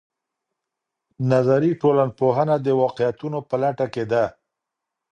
نظري ټولنپوهنه د واقعيتونو په لټه کې ده.